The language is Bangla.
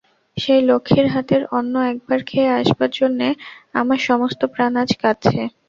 সেই লক্ষ্মীর হাতের অন্ন একবার খেয়ে আসবার জন্যে আমার সমস্ত প্রাণ আজ কাঁদছে।